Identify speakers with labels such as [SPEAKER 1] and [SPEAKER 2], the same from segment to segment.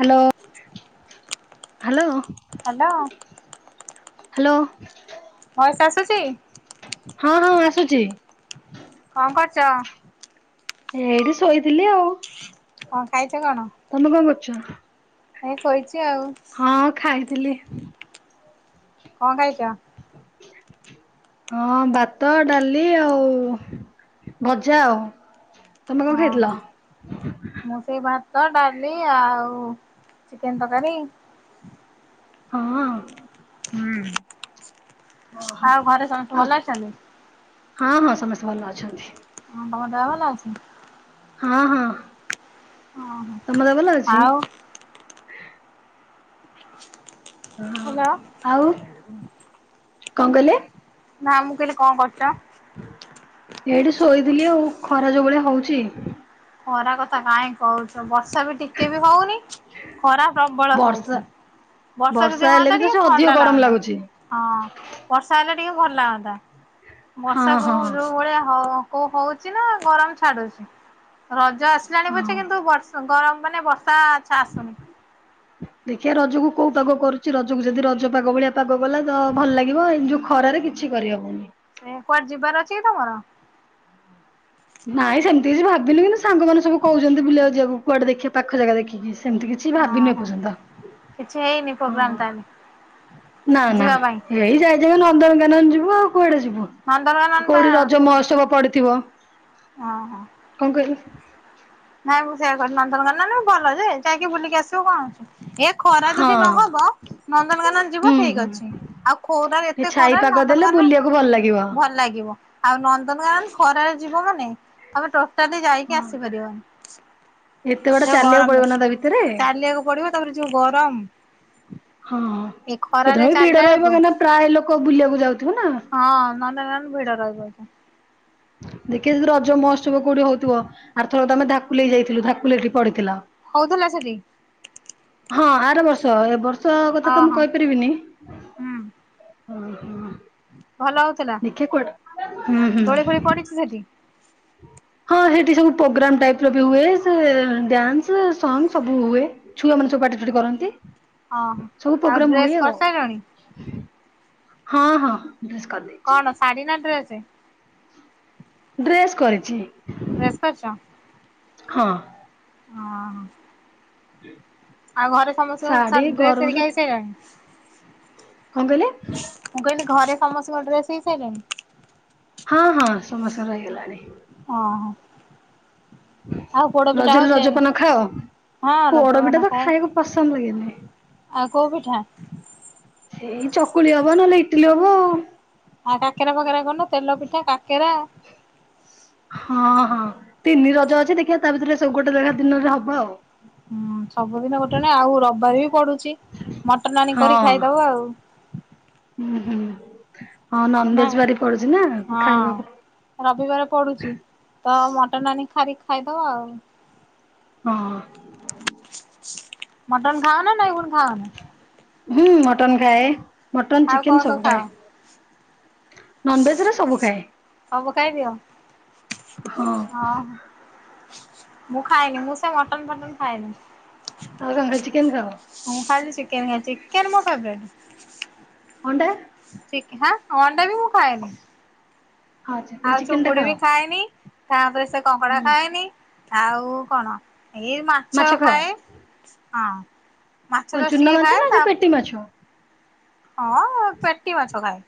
[SPEAKER 1] Hello, hello.
[SPEAKER 2] Hello
[SPEAKER 1] hello.
[SPEAKER 2] Voice ଆସୁଚି?
[SPEAKER 1] ହଁ ହଁ ଆସୁଚି।
[SPEAKER 2] କଣ କରୁଚ?
[SPEAKER 1] ଏଇଠି ଶୋଇଥିଲି ଆଉ।
[SPEAKER 2] କଣ ଖାଇଚ କଣ?
[SPEAKER 1] ତମେ କଣ କରୁଚ?
[SPEAKER 2] ଏ ଶୋଇଚି ଆଉ।
[SPEAKER 1] ହଁ ଖାଇଥିଲି।
[SPEAKER 2] କଣ ଖାଇଚ?
[SPEAKER 1] [unintelligible] ହଁ ଭାତ, ଡାଲି ଆଉ ଭଜା ଆଉ। ତମେ କଣ
[SPEAKER 2] ହଁ
[SPEAKER 1] ଖାଇଥିଲ?
[SPEAKER 2] ହଁ ମୁଁ ସେଇ ଭାତ, ଡାଲି ଆଉ ଚିକେନ ତରକାରୀ।
[SPEAKER 1] ହଁ ଅ।
[SPEAKER 2] ହୁଁ,
[SPEAKER 1] ଓହୋ
[SPEAKER 2] ଆଉ ଘରେ ସମସ୍ତେ
[SPEAKER 1] ଆଉ
[SPEAKER 2] ଭଲ ଅଛନ୍ତି?
[SPEAKER 1] ହଁ ହଁ, ସମସ୍ତେ ଭଲ ଅଛନ୍ତି।
[SPEAKER 2] ହଁ, ତମ ଦେହ ଭଲ ଅଛି?
[SPEAKER 1] ହଁ ହଁ।
[SPEAKER 2] ଓହୋ,
[SPEAKER 1] ତମ ଦେହ ଭଲ ଅଛି?
[SPEAKER 2] ଆଉ ହ୍ୟାଲୋ
[SPEAKER 1] ଓଁ ଆଉ, କଣ କଇଲେ?
[SPEAKER 2] ନା, ମୁଁ କହିଲି କଣ କରୁଚ?
[SPEAKER 1] ଏଇଠି ଶୋଇଥିଲି ଆଉ, ଖରା ଯୋଉଭଳିଆ ହଉଚି।
[SPEAKER 2] ଖରା କଥା କାହିଁ କହୁଚ? ବର୍ଷା ବି ଟିକେ ବି ହଉନି, ଖରା ପ୍ରବଳ
[SPEAKER 1] ବର୍ଷା
[SPEAKER 2] ହଉଚି। ବର୍ଷା ଯଦି
[SPEAKER 1] ହେଲେ
[SPEAKER 2] ହଅଁତା
[SPEAKER 1] ବି ତ
[SPEAKER 2] ଟିକେ,
[SPEAKER 1] ସେ ଅଧିକ
[SPEAKER 2] ଥଣ୍ଡା
[SPEAKER 1] ଗରମ
[SPEAKER 2] ଲାଗନ୍ତା।
[SPEAKER 1] ଲାଗୁଛି
[SPEAKER 2] ହଁ, ବର୍ଷା ହେଲେ ଟିକେ ଭଲ ଲାଗନ୍ତା,
[SPEAKER 1] ହଁ
[SPEAKER 2] ବର୍ଷାକୁ
[SPEAKER 1] ହଁ
[SPEAKER 2] ଯୋଉ ଭଳିଆ ହଉ ଓ ହଉଛି ନା, ଗରମ ଛାଡୁଚି? ରଜ ଆସିଲାଣି
[SPEAKER 1] ହଁ।
[SPEAKER 2] ପଛେ, କିନ୍ତୁ ବଷ ଗରମ ମାନେ ବର୍ଷା ଛା ଆସୁନି।
[SPEAKER 1] [unintelligible] ଦେଖିଆ ରଜକୁ କୋଉ ପାଗ କରୁଚି? ରଜକୁ ଯଦି ରଜ ପାଗ ଭଳିଆ ପାଗ ଗଲା ତ ଭଲ ଲାଗିବ, ଏ ଯୋଉ ଖରାରେ ଯେ କିଛି କରି ହେବନି।
[SPEAKER 2] ସେ କୁଆଡେ ଯିବାର ଅଛି କି ତମର?
[SPEAKER 1] ନାଇଁ ସେମିତି କିଛି ଭାବିନି କିନ୍ତୁ ସାଙ୍ଗମାନେ ସବୁ କହୁଚନ୍ତି ବୁଲିବାକୁ ଯିବାକୁ, କୁଆଡେ ଦେଖିବା ପାଖ ଜାଗା ଦେଖିକି। ସେମିତି କିଛି ଭାବିନି ଏ
[SPEAKER 2] ଓହୋ
[SPEAKER 1] ପର୍ଯ୍ୟନ୍ତ।
[SPEAKER 2] କିଛି ହେଇନି ପ୍ରୋଗ୍ରାମ ତାହେଲେ?
[SPEAKER 1] ନା ନା,
[SPEAKER 2] ଯିବା ପାଇଁ
[SPEAKER 1] ଏଇ ଯାଇ ଯାଇ ନନ୍ଦନକାନନ ଯିବୁ ଆଉ, କୁଆଡେ ଯିବୁ?
[SPEAKER 2] ନନ୍ଦନକାନନ ପା
[SPEAKER 1] କୋଉଠି ରଜ
[SPEAKER 2] କହୁ
[SPEAKER 1] ମହୋତ୍ସବ ପଡିଥିବ,
[SPEAKER 2] ଓହୋ
[SPEAKER 1] କଣ କହିଲେ?
[SPEAKER 2] ନାଇଁ ମୁଁ ସେୟା କ, ନନ୍ଦନକାନନ ଭଲ ଯେ? ଯାଇକି ବୁଲିକି ଆସିବୁ କଣ ଅଛି, ଏ ଖରା
[SPEAKER 1] ହଁ
[SPEAKER 2] ଯଦି ନହବ ନନ୍ଦନକାନନ ଯିବୁ
[SPEAKER 1] ହୁଁ
[SPEAKER 2] ଠିକ
[SPEAKER 1] ହୁଁ।
[SPEAKER 2] ଅଛି। ଆଉ ଖୋରାରେ,
[SPEAKER 1] ଟିକେ
[SPEAKER 2] ଏତେ
[SPEAKER 1] ଛାଇ
[SPEAKER 2] କରରା
[SPEAKER 1] ପାଗ ଦେଲେ
[SPEAKER 2] ନନ୍ଦନକାନ
[SPEAKER 1] ବୁଲିବାକୁ ଭଲ ଲାଗିବ
[SPEAKER 2] ଭଲ ଲାଗିବ, ଆଉ ନନ୍ଦନକାନନ ଖରାରେ ଯିବ ମାନେ, ତମେ ଟୋଟାଲି ଯାଇକି ଆସିପାରିବନି।
[SPEAKER 1] ଏତେ ବାଟ
[SPEAKER 2] ଯୋଉ
[SPEAKER 1] ଚାଲିବାକୁ ପଡିବ ନା
[SPEAKER 2] ଗରମରେ,
[SPEAKER 1] ତା ଭିତରେ
[SPEAKER 2] ଚାଲିବାକୁ ପଡିବ, ତାପରେ ଯୋଉ ଗରମ।
[SPEAKER 1] ହଁ,
[SPEAKER 2] ଏ ଖରାରେ
[SPEAKER 1] ସେତବେଳେ ବି ଭିଡ
[SPEAKER 2] ଚାଲିଲା
[SPEAKER 1] ରହିବ,
[SPEAKER 2] ବେଳକୁ
[SPEAKER 1] କାହିଁକିନା ପ୍ରାୟ ଲୋକ ବୁଲିବାକୁ ଯାଉଥିବ ନା?
[SPEAKER 2] ହଁ, ନନ୍ଦନକାନନ ଭିଡ଼ ରହିବ ଅଇକା।
[SPEAKER 1] ଦେଖିବା ଯଦି ରଜ ମହୋତ୍ସବ କୋଉଠି ହଉଥିବ? ଆର ଥରକ ଆମେ ଥାକୁଲେଇ ଯାଇଥିଲୁ, ଧାକୁଲଠି ପଡିଥିଲ।
[SPEAKER 2] ହଉଥିଲା ସେଠି?
[SPEAKER 1] ହଁ, ଆର ବର୍ଷ, ଏ ବର୍ଷ କଥା ତ
[SPEAKER 2] ଓହୋ
[SPEAKER 1] ମୁଁ କହିପାରିବିନି।
[SPEAKER 2] ହୁଁ
[SPEAKER 1] ହଁ ହଁ।
[SPEAKER 2] ଭଲ ହଉଥିଲା,
[SPEAKER 1] ଦେଖିଆ କୁଆଡେ ହୁଁ ହୁଁ।
[SPEAKER 2] ଦୋଳି ଫୋଳି ପଡିଚି ସେଠି?
[SPEAKER 1] ହଁ ସେଠି ସବୁ ପ୍ରୋଗ୍ରାମ ଟାଇପର ବି ହୁଏ, ସେ ଡ୍ୟାନ୍ସ, ସଙ୍ଗ, ସବୁ ହୁଏ। ଛୁଆମାନେ ସବୁ ପାଟି ଫାଟି କରନ୍ତି।
[SPEAKER 2] ହଁ
[SPEAKER 1] ସବୁ
[SPEAKER 2] ଆଉ
[SPEAKER 1] ପ୍ରୋଗ୍ରାମ ହୁଏ
[SPEAKER 2] ଡ୍ରେସ୍
[SPEAKER 1] ଆଉ।
[SPEAKER 2] କରିସାରିଲଣି?
[SPEAKER 1] ହଁ ହଁ। ଡ୍ରେସ କରିନି।
[SPEAKER 2] କଣ ଶାଢୀ ନା ଡ୍ରେସ?
[SPEAKER 1] ଡ୍ରେସ୍ କରିଛି।
[SPEAKER 2] ଡ୍ରେସ୍ କରିଛ?
[SPEAKER 1] ହଁ।
[SPEAKER 2] ହଁ ହଁ। ଆଉ ଘରେ ସମସ୍ତ ସା
[SPEAKER 1] ଶାଢୀ
[SPEAKER 2] ଡ୍ରେସ
[SPEAKER 1] ଗରମରେ
[SPEAKER 2] ହେରିକା ହେଇ ସାଇଲାଣି?
[SPEAKER 1] କଣ କହିଲେ?
[SPEAKER 2] ମୁଁ କହିଲି ଘରେ ସମସ୍ତଙ୍କ ଡ୍ରେସ ହେଇ ସାଇଲାଣି?
[SPEAKER 1] ହଁ ହଁ ସମସ୍ତଙ୍କର ହେଇଗଲାଣି।
[SPEAKER 2] ହଁ ହଂ।
[SPEAKER 1] ରଜରେ ରଜପାନ ଖାଅ?
[SPEAKER 2] ହଁ
[SPEAKER 1] ପୋଡପିଠା
[SPEAKER 2] ରଜପାନ
[SPEAKER 1] ତ
[SPEAKER 2] ଖାଏ
[SPEAKER 1] ଖାଇବାକୁ ପସନ୍ଦ ଲାଗେନି।
[SPEAKER 2] ଆଉ କୋଉ ପିଠା?
[SPEAKER 1] ସେଇ ଚକୁଳି ହବ ନହେଲେ ଇଟିଲି ହବ ଆଉ।
[SPEAKER 2] ଆଉ କାକେରା ପାକେରା କରୁନ ତେଲ ପିଠା କାକେରା।
[SPEAKER 1] ହଁ ହଁ ତିନି ରଜ ଅଛି ଦେଖିବା ତା ଭିତରେ ସବୁ ଗୋଟେ ଜାଗା ଦିନରେ ହବ ଆଉ।
[SPEAKER 2] ହୁଁ ସବୁଦିନ ଗୋଟେ ନ ଆଉ ରବିବାର ବି ପଡୁଛି ମଟନ ଆଣି କରି
[SPEAKER 1] ହଁ
[SPEAKER 2] ଖାଇଦବ ଆଉ।
[SPEAKER 1] ହୁଁ ହୁଁ ହଁ
[SPEAKER 2] ନା
[SPEAKER 1] ନନଭେଜ ବାରି ପଡୁଛି ନା
[SPEAKER 2] ହଁ।
[SPEAKER 1] ଖାଇବାକୁ
[SPEAKER 2] ରବିବାର ପଡୁଛି ତ ମଟନ ଆନି ଖାରିକି ଖାଇଦବ ଆଉ।
[SPEAKER 1] ହଁ।
[SPEAKER 2] ମଟନ ଖାଅନା ନାଇ କୋଉଠି ଖାଅନି?
[SPEAKER 1] ହୁଁ ମଟନ ଖାଏ ମଟନ
[SPEAKER 2] ଆଉ କଣ
[SPEAKER 1] ଚିକେନ ସବୁ
[SPEAKER 2] ଖାଅ
[SPEAKER 1] ଖାଏ। ନନଭେଜ ର ସବୁ ଖାଏ।
[SPEAKER 2] ସବୁ ଖାଇଦିଅ ହଁ ମୁଁ ଖାଏନି ମୁଁ ସେ ମଟନ ଫଟନ୍ ମୁଁ ଖାଏନି।
[SPEAKER 1] ଆଉ କଣ ଖାଲି ଚିକେନ ଖାଅ
[SPEAKER 2] ମୁଁ ଖାଲି ଚିକେନ ଖାଏ ଚିକେ ମୋ ଫେବେରାଇଟି।
[SPEAKER 1] ଅଣ୍ଡା।?
[SPEAKER 2] ଶିଖା ଅଣ୍ଡା ବି ମୁଁ ଖାଏନି
[SPEAKER 1] ହଁ ଖାଲି
[SPEAKER 2] ଆଉ
[SPEAKER 1] ଚିକେନ ଟା
[SPEAKER 2] ଚୁଙ୍ଗୁଡି
[SPEAKER 1] ଖାଅ।
[SPEAKER 2] ବି ଖାଏନି। ତାପରେ ସେ କଙ୍କଡା
[SPEAKER 1] ହୁଁ
[SPEAKER 2] ଖାଏନି। ଆଉ କଣ ଏଇ ମା- ମାଛ ଖାଏ ହଁ। ମାଛ
[SPEAKER 1] କଣ
[SPEAKER 2] ଚାଷ
[SPEAKER 1] ଚୁନା
[SPEAKER 2] ଟିକେ
[SPEAKER 1] ମାଛ
[SPEAKER 2] ଖାଏ
[SPEAKER 1] ନା
[SPEAKER 2] ତା
[SPEAKER 1] ଯୋଉ ପେଟି ମାଛ?
[SPEAKER 2] ହଁ ପେଟି ମାଛ ଖାଏ।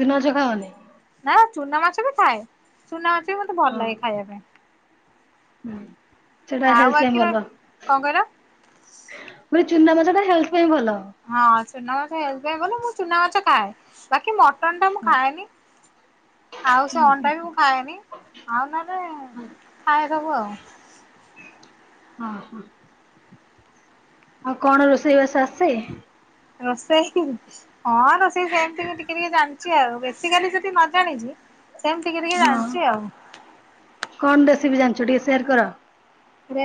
[SPEAKER 1] ଚୁନା ମାଛ ଖାଅନି?
[SPEAKER 2] ହାଁ ଚୁନା ମାଛ ବି ଖାଏ ଚୁନା ମାଛ ବି ମତେ ଭଲ
[SPEAKER 1] ହଁ
[SPEAKER 2] ଲାଗେ ଖାଇବା ପାଇଁ।
[SPEAKER 1] ସେଟା
[SPEAKER 2] ଆଉ
[SPEAKER 1] ହେଲଥ ପାଇଁ
[SPEAKER 2] ବାକି ର
[SPEAKER 1] ଭଲ।
[SPEAKER 2] କଣ କହିଲ
[SPEAKER 1] ଚୁନା ମାଛ ଟା ହେଲଥ୍ ପାଇଁ ଭଲ।
[SPEAKER 2] ହଁ ସେମାନେ ଏନଜୟ କଲେ ମୁଁ ଚୁନା ମାଛ ଖାଏ ବାକି ମଟନ ଟା ମୁଁ ଖାଏନି। ଆଉ ସେ
[SPEAKER 1] ହୁଁ ହୁଁ
[SPEAKER 2] ଅଣ୍ଡା ବି ମୁଁ ଖାଏନି ଆଉ ନ ହେଲେ ଖାଏ ସବୁ ଆଉ।
[SPEAKER 1] ହଁ ହଁ। ଆଉ କଣ ରୋଷେଇବାସ ଆସେ?
[SPEAKER 2] ରଷେଇ ହିଁ ହଁ ରୋଷେଇ ସେମିତି ଟିକେ ଟିକେ ଜାଣିଛି ଆଉ ବେଶୀକାଲି ସେଠି ନ ଜାଣିଛି। ସେମିତି ଟିକେ ଟିକେ
[SPEAKER 1] ହଁ
[SPEAKER 2] ଜାଣିଛି ଆଉ।
[SPEAKER 1] କଣ ରେସିପି ଜାଣିଛ ଟିକେ ସେୟାର କର।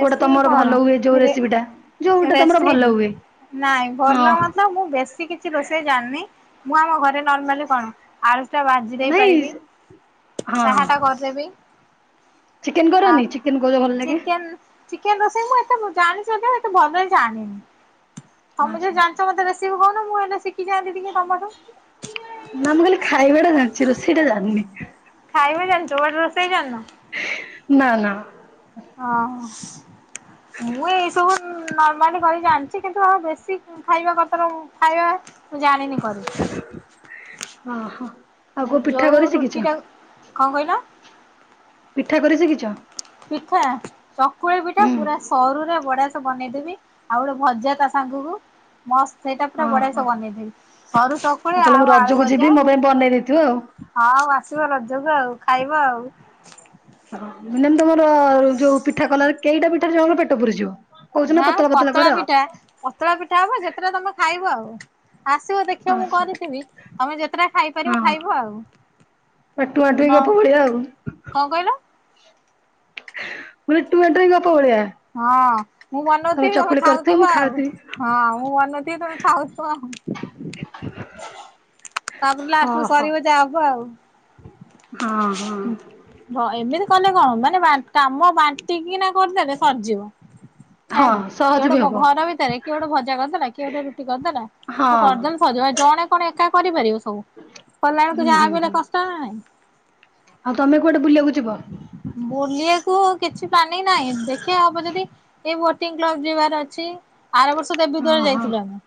[SPEAKER 1] କୋଉଟା ତମର
[SPEAKER 2] କଣ
[SPEAKER 1] ଭଲ ହୁଏ ଯୋଉ
[SPEAKER 2] ରେ
[SPEAKER 1] ରେସିପିଟା ଯୋଉଟା ତମର
[SPEAKER 2] ରେସିପି
[SPEAKER 1] ଭଲ ହୁଏ।
[SPEAKER 2] ନାଇଁ ଭଲ
[SPEAKER 1] ହଁ।
[SPEAKER 2] ମତ ମୁଁ ବେଶୀ କିଛି ରୋଷେଇ ଜାଣିନି ମୁଁ ଆମ ଘରେ ନର୍ମାଲି କଣ ଆଳୁଟା ଭାଜି ଦେଇ
[SPEAKER 1] ନାଇଁ
[SPEAKER 2] ପାରିବି
[SPEAKER 1] ହଁ
[SPEAKER 2] ଚାହାଟା କରିଦେବି।
[SPEAKER 1] ଚିକେନ
[SPEAKER 2] ଆ
[SPEAKER 1] କରନି ଚିକେନ କହୁଚ ଭଲ ଲାଗେ।
[SPEAKER 2] ଚିକେନ ଚିକେନ ରୋଷେଇ ମୁଁ ଏତେ ଜାଣିଚି ଏତେ ଭଲରେ ଜାଣିନି। ତମେ
[SPEAKER 1] ଆଚ୍ଛା
[SPEAKER 2] ଜଦି
[SPEAKER 1] ଆଚ୍ଛା।
[SPEAKER 2] ଜାଣିଛ ମତେ ରିସିପି କହୁନ ମୁଁ ହେଲେ ଶିଖି ଯଆନ୍ତି ଟିକେ ତମଠୁ।
[SPEAKER 1] ନା ମୁଁ କାଲି ଖାଇବା ଟା ଜାଣିଛି ରୋଷେଇ ଟା ଜାଣିିନି।
[SPEAKER 2] ଖାଇବା ଜାଣିଛ ବଟ ରଷେଇ ଜାଣିନ।
[SPEAKER 1] ନା ନା।
[SPEAKER 2] ହଁ ମୁଁ ଏଇସବୁ ନର୍ମାଲି କରି ଜାଣିଛି କିନ୍ତୁ ଆଉ ବେଶୀ- ଖାଇବା କଥାଟା ଖାଇବା ମୁଁ ଜାଣିନି
[SPEAKER 1] ଓହୋ ଆଉ
[SPEAKER 2] କରି
[SPEAKER 1] କୋଉ ପିଠା କରି
[SPEAKER 2] ଯୋଉ
[SPEAKER 1] ଶିଖିଛ
[SPEAKER 2] ରୁଟି ଟାକୁ କଣ କହିଲ?
[SPEAKER 1] ପିଠା କରି ସିକିିଚ?
[SPEAKER 2] ପିଠା ଚକୁଳି ପିଠା ପୁରା ସରୁରେ ବଢିଆ ସେ ବନେଇଦେବି ଆଉ ଗୋଟେ ଭଜା ତା ସାଙ୍ଗକୁ। ମସ୍ତ ସେଇଟା ପୁରା ବଢିଆ
[SPEAKER 1] ଓହୋ
[SPEAKER 2] ସେ
[SPEAKER 1] ଆଉ
[SPEAKER 2] ବନେଇ ଦେବି ସରୁ ସକୁଳି ଆଉ ଆଳୁ ଭଜା।
[SPEAKER 1] ଣ୍ଡେଇ ଦେଇଥିବ ଆଉ।
[SPEAKER 2] ହଁ ଆଉ ଆସିବ ରଜକୁ ଆଉ ଖାଇବ ଆଉ।
[SPEAKER 1] ମିଳନ ତମର ଯୋଉ ପିଠା କଲାବେଳେ କେଇଟା ପିଠାରେ ଜଣଙ୍କ ପେଟ ପୁରିଯିବ। କହୁଚି ନା
[SPEAKER 2] ହଁ
[SPEAKER 1] ପତଳା ପତଳା କର।
[SPEAKER 2] ପିଠା ପତଳା ପିଠା ହବ ଯେତେଟା ତମେ ଖାଇବ ଆଉ ଆସିବ ଦେ ପିଠା ମୁଁ
[SPEAKER 1] ଆଚ୍ଛା
[SPEAKER 2] କରିଥିବି ତମେ ଯେତେଟା ଖାଇପାରିବ ଖାଇବ
[SPEAKER 1] ହଁ
[SPEAKER 2] ଆଉ।
[SPEAKER 1] ଟୁଆଁ
[SPEAKER 2] ନ
[SPEAKER 1] ଟୁଇଁ ଗପ ଭଳିଆ ଆଉ।
[SPEAKER 2] କଣ କହିଲ?
[SPEAKER 1] ମାନେ ଟୁଆଁ ଟୁଇଁ ଗପ ଭଳିଆ।
[SPEAKER 2] ହଁ ମୁଁ ବନଉଥିବି ତମେ
[SPEAKER 1] ଚକୁଳି କରୁଥିବ ମୁଁ
[SPEAKER 2] ଖାଉଥିବ ଆଉ।
[SPEAKER 1] ଖାଉଥିବି
[SPEAKER 2] ହଁ ମୁଁ ବନଉଥିବି ତମେ ଖାଉଥିବ ଆଉ।
[SPEAKER 1] [inaudible]
[SPEAKER 2] ତାପରକୁ ଲାଷ୍ଟକୁ
[SPEAKER 1] ଓହୋ।
[SPEAKER 2] ସରିବ ଯାହା ହବ ଆଉ।
[SPEAKER 1] ହଁ। ହଁ
[SPEAKER 2] ହୁଁ, ହଁ ଏମିତି କଲେ କଣ ମାନେ କାମ ବାଣ୍ଟିକିନା କରିଦେଲେ ସରଯିବ।
[SPEAKER 1] ହଁ
[SPEAKER 2] ହେଲା
[SPEAKER 1] ସହଜ
[SPEAKER 2] କିଏ
[SPEAKER 1] ବି ହବ
[SPEAKER 2] ଗୋଟେ ଘର ଭିତରେ କିଏ ଗୋଟେ ଭଜା କରିଦେଲା କିଏ ଗୋଟେ ରୁଟି କରିଦେଲା। ତ
[SPEAKER 1] ହଁ
[SPEAKER 2] କରିଦେନେ ସରଜିବ ଏ ଜଣେ କଣ ଏକା କରିପାରିବ ସବୁ କଲାବେଳକୁ
[SPEAKER 1] ହୁଁ ହୁଁ
[SPEAKER 2] ଯାହାବି ହେଲେ
[SPEAKER 1] ହୁଁ।
[SPEAKER 2] କଷ୍ଟ ନା ନାଇଁ।
[SPEAKER 1] ଆଉ ତମେ କୁଆଡେ ବୁଲିବାକୁ ଯିବ?
[SPEAKER 2] ବୁଲିବାକୁ କିଛି ପ୍ଲାନିଂ ନାହିଁ ଦେଖିଆ ହବ ଯଦି ଏଇ ବୋଟିଂ କ୍ଲବ ଯିବାର ଅଛି, ଆର ବର୍ଷ ଦେବୀଦ୍ୱାର
[SPEAKER 1] ଓହୋ
[SPEAKER 2] ଯାଇଥିଲୁ ଆମେ।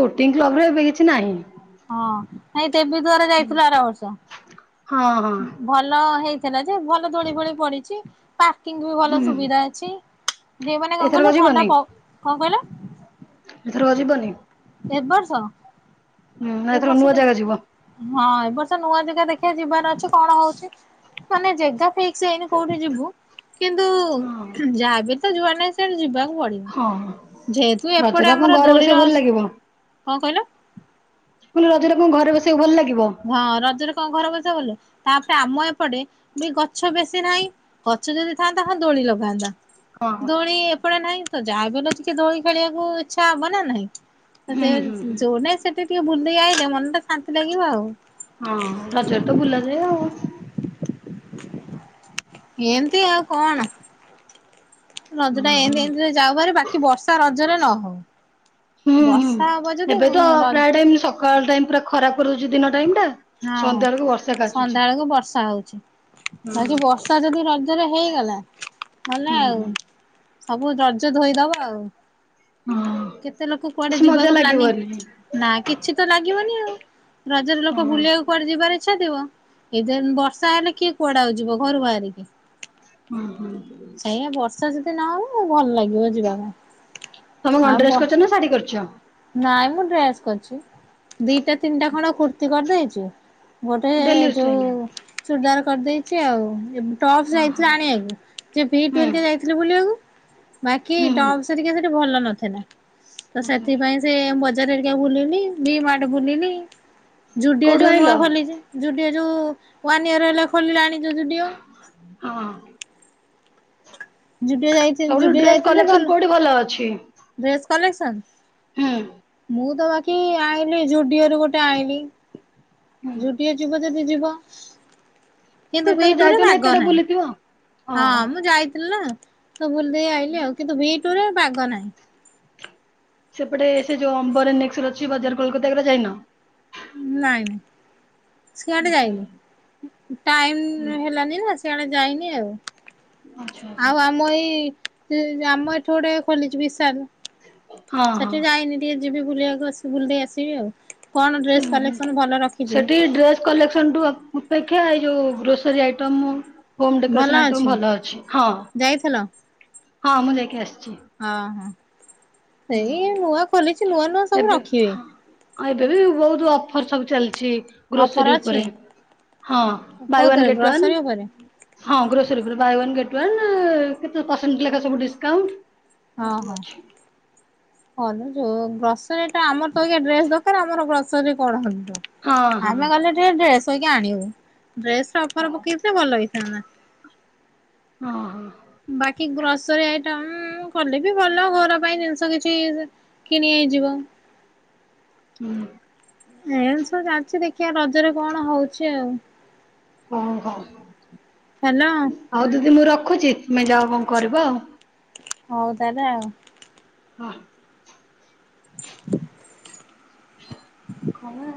[SPEAKER 1] ବୋଟିଂ କ୍ଲବରେ ଏବେ କିଛି ନାହିଁ।
[SPEAKER 2] ହଁ ନାଇଁ ଦେବୀଦ୍ୱାର ଯାଇଥିଲୁ ଆର ବର୍ଷ।
[SPEAKER 1] ହଁ ହଁ।
[SPEAKER 2] ଭଲ ହେଇଥିଲା ଯେ ଭଲ ଦୋଳି ଫୋଳି ପଡିଛି ପାର୍କିଂ ବି ଭଲ
[SPEAKER 1] ହୁଁ
[SPEAKER 2] ସୁବିଧା ଅଛି। ଯେ ମାନେ କଣ
[SPEAKER 1] ଏଥରକ
[SPEAKER 2] କହିଲ ଥଣ୍ଡା
[SPEAKER 1] ଯିବନି
[SPEAKER 2] କ କଣ କହିଲ?
[SPEAKER 1] ଏଥରକ ଯିବନି?
[SPEAKER 2] ଏ ବର୍ଷ।
[SPEAKER 1] ହୁଁ
[SPEAKER 2] ଏ
[SPEAKER 1] ଏଥର
[SPEAKER 2] ବର୍ଷ
[SPEAKER 1] ନୂଆ
[SPEAKER 2] ଦେ,
[SPEAKER 1] ଜାଗା ଯିବ
[SPEAKER 2] ହଁ ଏ ବର୍ଷ ନୂଆ ଯେଗା ଦେଖିବା ଯିବାର ଅଛି, କଣ ହଉଛି? ମାନେ, ଜେଗା ଫିକ୍ସ୍ ହେଇନି କୋଉଠି ଯିବୁ? କିନ୍ତୁ,
[SPEAKER 1] ହଁ
[SPEAKER 2] ଯାହାବି ତ ଯୁଆଡେ ନାହିଁ, ସିଆଡେ ଯିବାକୁ ପଡିବ।
[SPEAKER 1] ହଁ,
[SPEAKER 2] ଯେହେତୁ ଏପଟେ
[SPEAKER 1] ରଜରେ ଆଉ କଁ,
[SPEAKER 2] ଆମର
[SPEAKER 1] ଘରେ
[SPEAKER 2] ଦୋଳିର
[SPEAKER 1] ବସିଆକୁ ଭଲ ଲାଗିବ?
[SPEAKER 2] କଣ କହିଲ
[SPEAKER 1] ମୁଁ କହିଲି, ରଜରେ କଣ ଘରେ ବସିଆକୁ ଭଲ ଲାଗିବ?
[SPEAKER 2] ହଁ, ରଜରେ କଣ ଘର ବସିଆକୁ ଭଲ, ତା'ପରେ ଆମ ଏପଟେ ବି ଗଛ ବେଶୀ ନାହିଁ। ଗଛ ଯଦି ଥାଆନ୍ତା ହଁ, ଦୋଳି ଲଗାନ୍ତା।
[SPEAKER 1] ହଁ
[SPEAKER 2] ଦୋଳି ଏପଟେ ନାହିଁ ତ, ଯାହାବି ହେଲେ ଟିକେ ଦୋଳି ଖେଳିବାକୁ ଇଚ୍ଛା ହବନା ନାହିଁ।
[SPEAKER 1] ହୁଁ
[SPEAKER 2] ସେତେ
[SPEAKER 1] ହୁଁ ହୁଁ
[SPEAKER 2] ଯୋଉ ନାଇଁ, ସେଠି ଟିକେ ବୁଲି ଦେଇ ଆଇଲେ, ମନଟା ଶାନ୍ତି ଲାଗିବ ଆଉ।
[SPEAKER 1] ହଁ, ରଜରେ ତ ବୁଲାଯାଏ ଆଉ।
[SPEAKER 2] ଏମତି ଆଉ କଣ?
[SPEAKER 1] ହୁଁ
[SPEAKER 2] ରଜଟା
[SPEAKER 1] ହୁଁ
[SPEAKER 2] ଏମତି ଏମତିରେ ଯାଉ ଭାରି, ବାକି ବର୍ଷା ରଜରେ ନ ହଉ!
[SPEAKER 1] ହୁଁ, ହୁଁ,
[SPEAKER 2] ବର୍ଷା ହବ ଯଦି
[SPEAKER 1] ଏବେ ତ
[SPEAKER 2] ରଜ
[SPEAKER 1] ପ୍ରାୟ ଟାଇମ୍ ସକାଳ ଟାଇମ୍ ପୁରା ଖରା କରୁଛି, ଦିନ ଟାଇମ୍ ଟା।
[SPEAKER 2] ହଁ,
[SPEAKER 1] ସନ୍ଧ୍ୟା ବେଳକୁ ବର୍ଷା କାଚୁଛି।
[SPEAKER 2] ସନ୍ଧ୍ୟାଅଳକୁ ବର୍ଷା ହଉଛି।
[SPEAKER 1] ହୁଁ
[SPEAKER 2] ବାକି ବର୍ଷା ଯଦି ରଜରେ ହେଇଗଲା, ଗଲା
[SPEAKER 1] ହୁଁ
[SPEAKER 2] ଆଉ।
[SPEAKER 1] ହୁଁ
[SPEAKER 2] ସବୁ ରଜ ଧୋଇଦବ ଆଉ,
[SPEAKER 1] ହଁ
[SPEAKER 2] କେତେ ଲୋକ କୁଆଡେ
[SPEAKER 1] କିଛି ମଜା
[SPEAKER 2] ଯିବାକୁ ପ୍ଲାନିଂ
[SPEAKER 1] ଲାଗିବନି।
[SPEAKER 2] ନା କିଛି ତ ଲାଗିବନି ଆଉ? ରଜରେ
[SPEAKER 1] ହଁ
[SPEAKER 2] ଲୋକ ବୁଲିବାକୁ
[SPEAKER 1] ହଁ
[SPEAKER 2] କୁଆଡେ ଯିବାର ଇଚ୍ଛା ଥିବ। କେଜାନ୍ ବର୍ଷା ହେଲେ, କିଏ କୁଆଡେ ଆଉ ଯିବ ଘରୁ ବାହାରିକି?
[SPEAKER 1] ଉଁ, ହୁଁ।
[SPEAKER 2] ଏଇଆ ବର୍ଷା ଯଦି ନହବ, ଭଲ ଲାଗିବ ଯିବା ପାଇଁ।
[SPEAKER 1] ତମେ କଣ
[SPEAKER 2] ଆଉ ବ
[SPEAKER 1] ଡ୍ରେସ୍ କରିଚ ନା ଶାଢୀ କରିଚ?
[SPEAKER 2] ନାଇଁ ମୁଁ ଡ୍ରେସ୍ କରିଛି। ଦିଇଟା ତିନିଟା ଖଣ୍ଡ କୁର୍ତ୍ତି କରିଦେଇଚି, ଗୋଟେ
[SPEAKER 1] ଡେଲି ୟୁଜ
[SPEAKER 2] ଯୋଉ
[SPEAKER 1] ପାଇଁକା।
[SPEAKER 2] ଚୁର୍ଦାର କରିଦେଇଚି ଆଉ, ଟପସ୍
[SPEAKER 1] ହଁ ହଁ
[SPEAKER 2] ଯାଇଥିଲି ଆଣିଆକୁ ଯେ ଭି ଟୁ ହେରିକା
[SPEAKER 1] ହୁଁ
[SPEAKER 2] ଯାଇଥି ଲି ବୁଲିବାକୁ ବାକି
[SPEAKER 1] ହୁଁ ହୁଁ
[SPEAKER 2] ଟପସ୍ ହେରିକା ସେଠି ଭଲ ନଥିଲା। ତ ସେତ୍
[SPEAKER 1] ଆଚ୍ଛା
[SPEAKER 2] ନାଇଁ ସେ ବଜାର ହେରିକା ବୁଲିଲି, ଭିମାର୍ଟ ବୁଲିଲି, ଜୁଡିଓ
[SPEAKER 1] କୋଉଠୁ
[SPEAKER 2] ଯୋଉ
[SPEAKER 1] ଆଣିଲ?
[SPEAKER 2] ନୂଆ ଖୋଲିଛି ଜୁଡ଼ିଓ ଯୋଉ ୱାନ୍ ଇୟର୍ ହେଲା ଖୋଲିଲାଣି ଯୋଉ ଜୁଡ଼ିଓ।
[SPEAKER 1] ହଁ।
[SPEAKER 2] ଜୁଡ଼ିଓ ଯାଇ
[SPEAKER 1] ସବୁଠୁ ଡ୍ରେସ୍ କଲେକ୍ସନ୍ କୋଉଠି ଭଲ ଅଛି?
[SPEAKER 2] Dress collection?
[SPEAKER 1] ହୁଁ।
[SPEAKER 2] ମୁଁ ତ ବାକି ଆଇଁଲି ଜୁଡିଓରୁ ଗୋଟେ ଆଇଁଲି,
[SPEAKER 1] ହୁଁ
[SPEAKER 2] ଜୁଡିଓ ଯିବ ଯଦି ଯିବ। କିନ୍ତୁ ଭି
[SPEAKER 1] ଏଥର
[SPEAKER 2] ଟୁ ରେ
[SPEAKER 1] ଯାଇଥିବ ନା
[SPEAKER 2] ବାଗ
[SPEAKER 1] ଏତେଟା
[SPEAKER 2] ନାହିଁ।
[SPEAKER 1] ବୁଲିଥିବ?
[SPEAKER 2] ହଁ,
[SPEAKER 1] ଓହୋ
[SPEAKER 2] ମୁଁ ଯାଇ ଥିଲି ନା ତ ବୁଲିଦେଇ ଆଇିଲି ଆଉ। କିନ୍ତୁ ଭି ଟୁରେ ବାଗ ନାଇଁ।
[SPEAKER 1] ସେପଟେ ସେ ଯୋଉ ଅମ୍ବର ଏନେକ୍ସେଲ୍ ଅଛି, ବଜାର କୋଲକାତା ଏଗରା ଯାଇନ?
[SPEAKER 2] ନାଇଁ, ସିଆଡେ
[SPEAKER 1] ଆଚ୍ଛା ହୁଁ
[SPEAKER 2] ଯାଇନି। ଟାଇମ୍ ହେଲାନି ନା ସିଆଡେ ଯାଇନି ଆଉ।
[SPEAKER 1] ଆଚ୍ଛା ଆଚ୍ଛା
[SPEAKER 2] ଆଉ ଆମ ଏଇ ଆମ ଏଠି ଗୋଟେ ଖୋଲିଚି ବିଶାଲ୍
[SPEAKER 1] ହଁ ହଁ
[SPEAKER 2] ସେଠି ଯାଇନି ଟିକେ ଯିବି ବୁଲିଆକୁ, ବୁଲ ଦେଇ ଆସିବି ଆଉ। କଣ ଡ୍ରେସ୍ କଲେକ୍ସନ୍ ଭଲ ରଖିଚି?
[SPEAKER 1] କଲେକ୍ସନ୍ ଟୁ ଅ-ଅପେକ୍ଷା, ଏଇ ଯୋଉ grocery item home decoration item ଭଲ ଅଛି। ହଁ,
[SPEAKER 2] ଯାଇଥିଲ
[SPEAKER 1] ହଁ, ମୁଁ ଯାଇକି ଆସିଚି।
[SPEAKER 2] ହଁ, ହଁ, ସେଇ ନୂଆ ଖୋଲିଚି ନୂଆ ନୂଆ ସବୁ
[SPEAKER 1] ଏବେ
[SPEAKER 2] ରଖିବେ।
[SPEAKER 1] ହଁ ଏବେ ବି ବହୁତ ଅଫର ସବୁ ଚାଲିଚି।
[SPEAKER 2] ଅଫର
[SPEAKER 1] ଗ୍ରୋସରୀ
[SPEAKER 2] ଅଛି।
[SPEAKER 1] ଉପରେ ହଁ ବାଏ ୱାନ
[SPEAKER 2] କୋଉଥିରେ
[SPEAKER 1] ଗେଟ୍
[SPEAKER 2] ଗ୍ରସରୀ ଉପରେ
[SPEAKER 1] ୱାନ। ହଁ ଗ୍ରୋସରୀ ଉପରେ ବାଏ ୱାନ ଗେଟ୍ ୱାନ କେତେ ପରସେଣ୍ଟ ଲେଖା ସବୁ ଡିସକାଉଣ୍ଟ।
[SPEAKER 2] ହଁ
[SPEAKER 1] ଏ ସବୁ
[SPEAKER 2] ହଁ
[SPEAKER 1] ଅଛି।
[SPEAKER 2] ହ ଯୋଉ ଗ୍ରୋସରିଟା ଆମର ତ ଏଇଖା ଡ୍ରେସ୍ ଦରକାର ଆମର ଗ୍ରୋ ସରି କଣ ହବ।
[SPEAKER 1] ହଁ ହଁ
[SPEAKER 2] ଆମେ ଗଲେ ଟିକେ ଡ୍ରେସ୍ ହେରିକା ଆଣିବୁ। ଡ୍ରେସ ଅଫର ପକେଇଥିଲେ ଭଲ ହେଇଥାନ୍ତା।
[SPEAKER 1] ହଁ ହଁ।
[SPEAKER 2] ବାକି ଗ୍ରୋସରୀ ଆଇଟମ କଲେ ବି ଭଲ ଘର ପାଇଁ ଜିନିଷ କିଛି କିଣି ହେଇଯିବ।
[SPEAKER 1] ହୁଁ
[SPEAKER 2] ଏନ୍ ସବୁ ଚାଲିଚି ଦେଖିବା ରଜରେ କଣ ହଉଛି ଆଉ।
[SPEAKER 1] କଣ କହ?
[SPEAKER 2] ହ୍ୟାଲୋ।
[SPEAKER 1] ଆଉ ଦିଦି ମୁଁ ରଖୁଚି ତୁମେ ଯାଅ କଣ କରିବ ଆଉ।
[SPEAKER 2] ହଉ ତାହେଲେ ଆଉ।
[SPEAKER 1] ହଁ। ଖବର